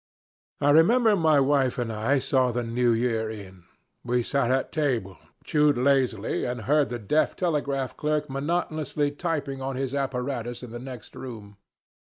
I remember my wife and I saw the New Year in. We sat at table, chewed lazily, and heard the deaf telegraph clerk monotonously tapping on his apparatus in the next room.